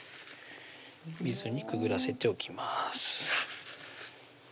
水にくぐらせておきます